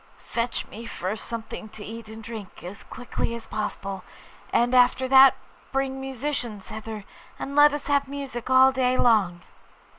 'Fetch me first something to eat and drink, as quickly as possible; and after that bring musicians hither, and let us have music all day long.